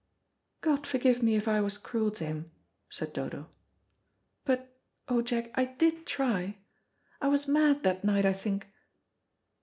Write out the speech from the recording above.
"God forgive me if I was cruel to him," said Dodo. "But, oh, Jack, I did try. I was mad that night I think."